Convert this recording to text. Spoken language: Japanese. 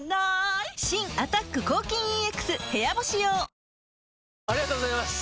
新「アタック抗菌ＥＸ部屋干し用」ありがとうございます！